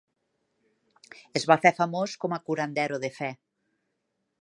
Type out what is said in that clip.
Es va fer famós com a curandero de fe.